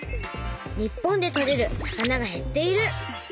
「日本でとれる魚が減っている」。